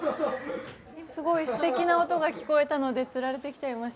すごい素敵な音が聞こえたのでつられて来ちゃいました